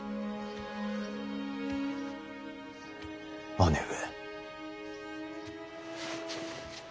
姉上。